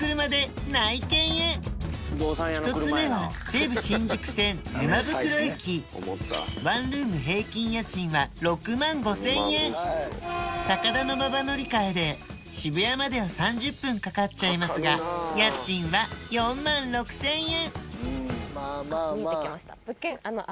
１つ目は高田馬場乗り換えで渋谷までは３０分かかっちゃいますが家賃は４万６０００円！